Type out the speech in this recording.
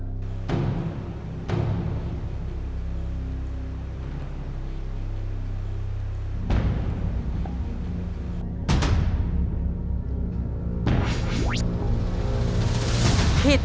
ฮาวะละพร้อม